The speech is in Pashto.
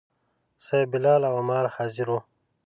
صیب، بلال او عمار حاضر وو.